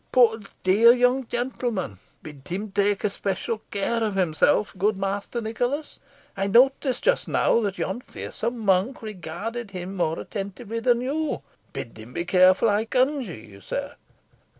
"Poor dear young gentleman! Bid him take especial care of himself, good Master Nicholas. I noticed just now, that yon fearsome monk regarded him more attentively than you. Bid him be careful, I conjure you, sir.